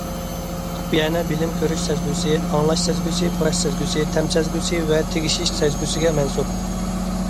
خۇپىيانە بىلىم كۆرۈش سەزگۈسى، ئاڭلاش سەزگۈسى، پۇراش سەزگۈسى، تەم سەزگۈسى ۋە تېگىشىش سەزگۈسىگە مەنسۇپ.